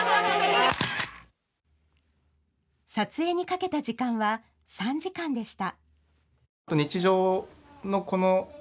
撮影にかけた時間は３時間でした。